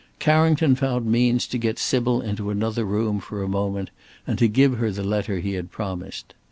Carrington found means to get Sybil into another room for a moment and to give her the letter he had promised.